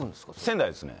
仙台ですね